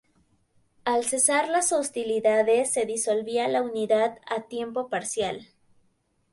Al cesar las hostilidades se disolvía la unidad a tiempo parcial.